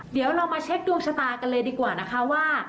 เดี๋ยวเรามาเช็คดวงชะตากันเลยดีกว่านะคะว่า